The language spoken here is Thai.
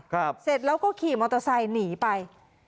เสร็จแล้วก็ขี่มอเตอร์ไซค์หนีไป